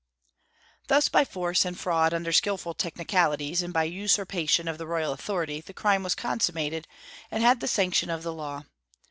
Thus by force and fraud under skilful technicalities, and by usurpation of the royal authority, the crime was consummated, and had the sanction of the law.